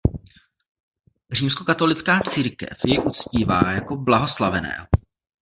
Římskokatolická církev jej uctívá jako blahoslaveného.